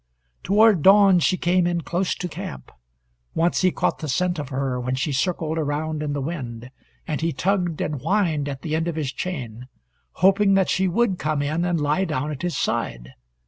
Toward dawn she came in close to camp. Once he caught the scent of her when she circled around in the wind, and he tugged and whined at the end of his chain, hoping that she would come in and lie down at his side.